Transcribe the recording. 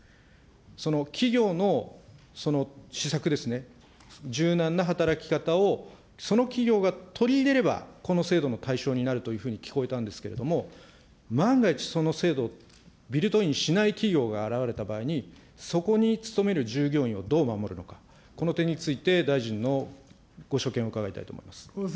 その企業の施策ですね、柔軟な働き方をその企業が取り入れれば、この制度の対象になるというふうに聞こえたんですけれども、万が一、その制度、ビルトインしない企業が現れた場合に、そこに勤める従業員をどう守るのか、この点について、大臣のご所見を伺いたいと思います。